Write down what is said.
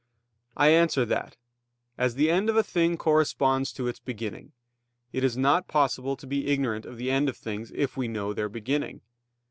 I answer that, As the end of a thing corresponds to its beginning, it is not possible to be ignorant of the end of things if we know their beginning.